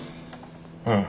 うん。